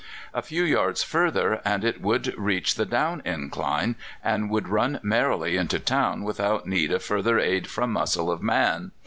A few yards further, and it would reach the down incline, and would run merrily into town without need of further aid from muscle of man.